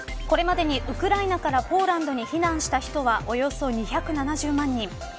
これまでにウクライナからポーランドに避難した人はおよそ２７０万人。